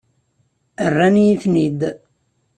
Rran-iyi-ten-id.